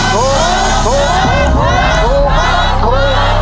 ถูกครับ